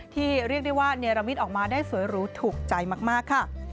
เรียกได้ว่าเนรมิตออกมาได้สวยหรูถูกใจมากค่ะ